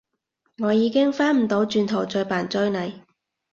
我已經返唔到轉頭再扮追你